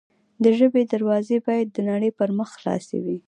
د ژبې دروازې باید د نړۍ پر مخ خلاصې وي.